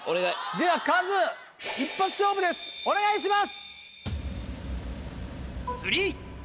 ではカズ一発勝負ですお願いします！